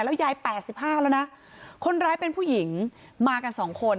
แล้วยายแปดสิบห้าแล้วนะคนร้ายเป็นผู้หญิงมากันสองคน